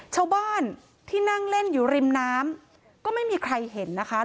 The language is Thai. ชาวบ้านที่นั่งเล่นอยู่ริมน้ำก็ไม่มีใครเห็นนะคะ